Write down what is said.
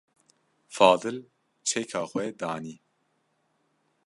Fadil çeka xwe danî.